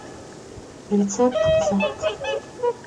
Rêtsêpt khızet.